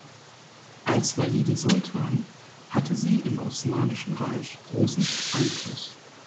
Als Valide Sultan hatte sie im Osmanischen Reich großen Einfluss.